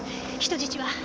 人質は？